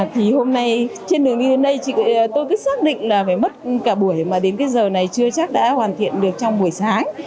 thì hôm nay trên đường như thế này tôi cứ xác định là phải mất cả buổi mà đến giờ này chưa chắc đã hoàn thiện được trong buổi sáng